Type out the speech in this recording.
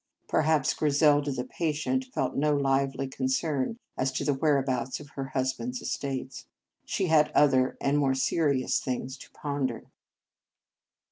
Per haps Griselda the patient felt no lively concern as to the whereabouts of her husband s estates. She had other and more serious things to ponder.